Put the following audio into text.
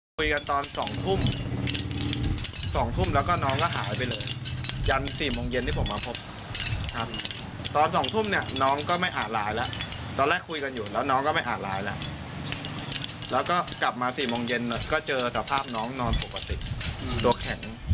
คุยกันตอน๒ทุ่ม๒ทุ่มแล้วก็น้องก็หายไปเลยยัน๔โมงเย็นที่ผมมาพบครับตอน๒ทุ่มเนี่ยน้องก็ไม่อ่านไลน์แล้วตอนแรกคุยกันอยู่แล้วน้องก็ไปอ่านไลน์แล้วแล้วก็กลับมา๔โมงเย็นก็เจอสภาพน้องนอนปกติตัวแข็ง